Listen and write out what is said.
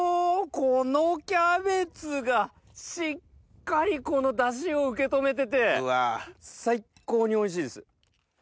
このキャベツがしっかりこのダシを受け止めてて最高においしいです。